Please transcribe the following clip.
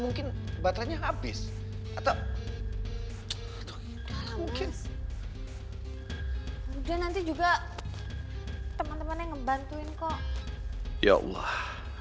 mungkin baterainya habis atau mungkin udah nanti juga teman teman yang ngebantuin kok ya allah